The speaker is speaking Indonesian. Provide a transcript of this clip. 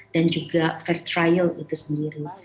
dan juga fair trial itu sendiri